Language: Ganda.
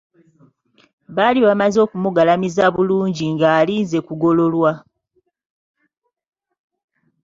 Baali bamaze okumugalamiza bulungi ng'alinze kugololwa.